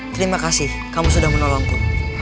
terima kasih kamu sudah menolongku